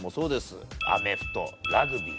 アメフトラグビー。